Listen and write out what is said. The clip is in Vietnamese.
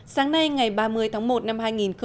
sáng nay ngày ba mươi tháng một năm hai nghìn một mươi bảy